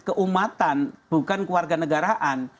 keumatan bukan kewarganegaraan